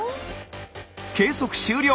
計測終了！